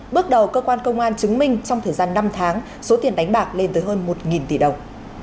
bước đầu cơ quan công an chứng minh trong thời gian năm tháng số tiền đánh bạc lên tới hơn một tỷ đồng